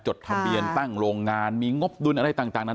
จดทะเบียนตั้งโรงงานมีงบดุลอะไรต่างนั้น